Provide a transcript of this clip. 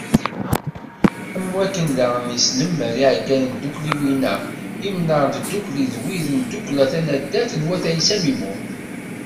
Am wakken daɣen yesnemmer iɛeggalen n tdukkliwin-a Imnar n Tdukli d wid n tdukkla tanaddalt n wat Ɛisa Mimun.